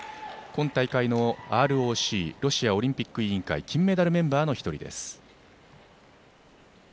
今大会のＲＯＣ＝ロシアオリンピック委員会金メダルメンバーの１人です。